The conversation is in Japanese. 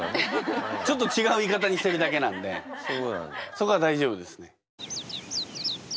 そこは大丈夫ですね。